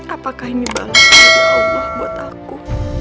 apakah ini banget bagi allah buat aku